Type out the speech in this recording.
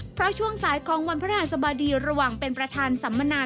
เพราะช่วงสายของวันพระหัสบดีระหว่างเป็นประธานสัมมนา